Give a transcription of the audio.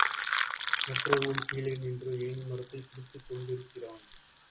மற்றொருவன் கீழே நின்று ஏணிமரததைப் பிடித்துக் கொண்டிருக்கிறான்.